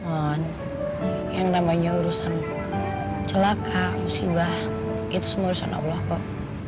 yang namanya urusan celaka musibah itu semua urusan allah kok